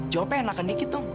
jawabnya enakan dikit dong